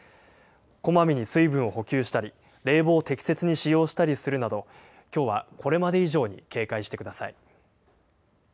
こまめに水分を補給したり、冷房を適切に使用したりするなど、きょうはこれまで以上に警戒してください。